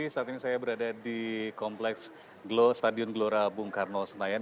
saat ini saya berada di kompleks glow stadion gelora bung karno senayan